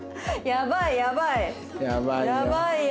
やばいやばい！